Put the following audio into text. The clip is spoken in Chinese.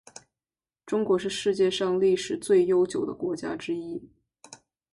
中国是世界上历史最悠久的国家之一。